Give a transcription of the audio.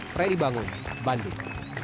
freddy bangun bandung